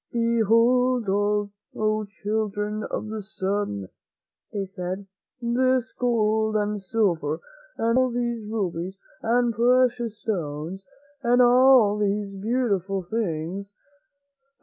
"Behold, oh Children of the Sun," they said, "this gold and silver, and all these rubies and precious stones, and all these beautiful things ^i^^Mk ^\^ m i^